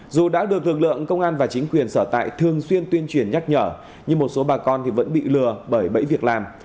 dù đã được lực lượng công an và chính quyền sở tại thường xuyên tuyên truyền nhắc nhở nhưng một số bà con vẫn bị lừa bởi bẫy việc làm